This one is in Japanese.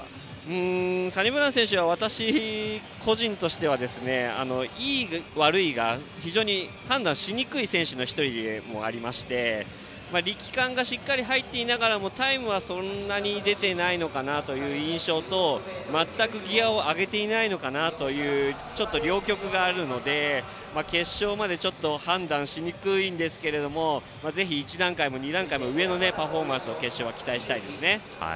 サニブラウン選手は私個人としてはいい、悪いが非常に判断しにくい選手の１人でありまして力感がしっかり入っていながらもタイムはそんなに出てないのかなという印象と全くギヤを上げていないのかなという両極があるので決勝まで判断しにくいんですがぜひ１段階も２段階も上のパフォーマンスを決勝は期待したいですね。